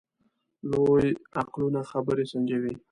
لوی عقلونه خبرې سنجوي.